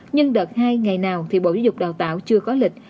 nhưng đợt hai ngày nào thì bộ giáo dục đào tạo chưa có lịch